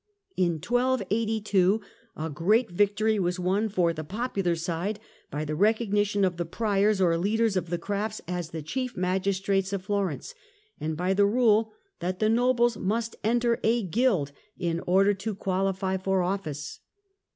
In 1282 a great victory was won for the popular side, by the recognition of the Priors or leaders of the crafts as the chief magistrates of Florence ; and by the rule that the nobles must enter a guild in order to quahfy for office.